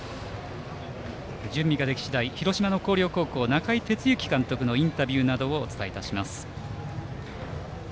準備ができ次第広島・広陵高校の中井哲之監督のインタビューなどをお伝えいたします。